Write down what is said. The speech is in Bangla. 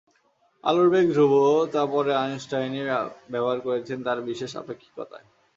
আলোর বেগ ধ্রুব—তা পরে আইনস্টাইনই ব্যবহার করেছেন তাঁর বিশেষ আপেক্ষিকতায়।